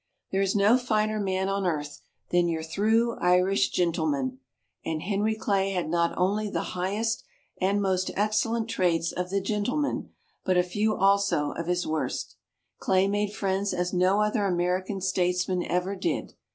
There is no finer man on earth than your "thrue Irish gintleman," and Henry Clay had not only all the highest and most excellent traits of the "gintleman," but a few also of his worst. Clay made friends as no other American statesman ever did.